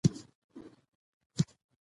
افغانستان کې مېوې د خلکو د خوښې وړ ځای دی.